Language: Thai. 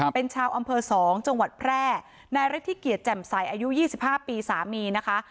เป็นชาวอำเภอ๒จังหวัดแพร่นายฤทธิเกียจแจ่มใสอายุ๒๕ปีสามีนะคะ